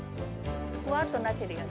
ふわっとなってるよね。